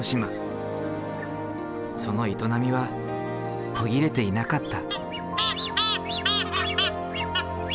その営みは途切れていなかった。